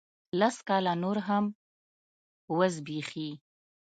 لس کاله نور هم وزبیښي